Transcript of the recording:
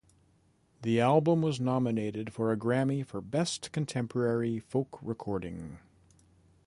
The album was nominated for a Grammy for Best Contemporary Folk Recording.